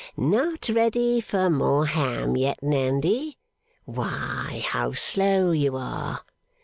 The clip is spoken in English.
'Not ready for more ham yet, Nandy? Why, how slow you are!